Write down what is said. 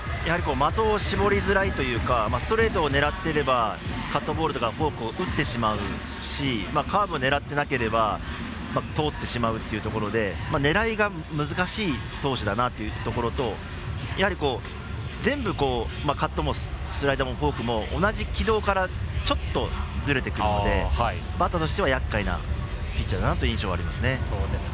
的を絞りづらいというかストレートを狙っていればカットボールとかフォークを打ってしまうしカーブ狙ってなければ通ってしまうっていうところで狙いが難しい投手だなというところとやはり全部カットもスライダーもフォークも同じ軌道からちょっとズレてくるのでバッターとしてはやっかいなピッチャーという印象がありますね。